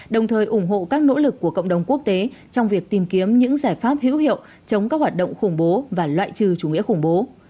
đồng thời ủng hộ các nỗ lực của cộng đồng quốc tế trong việc tìm kiếm những giải pháp hữu hiệu chống các hoạt động khủng bố và loại trừ chủ nghĩa khủng bố